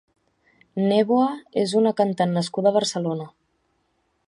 Névoa és una cantant nascuda a Barcelona.